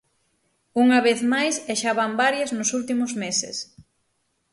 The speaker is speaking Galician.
Unha vez máis e xa van varias nos últimos meses.